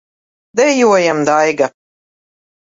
Dejojam, Daiga!